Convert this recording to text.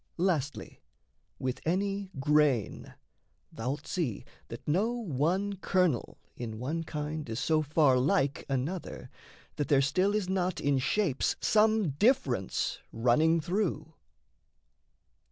Lastly, with any grain, Thou'lt see that no one kernel in one kind Is so far like another, that there still Is not in shapes some difference running through.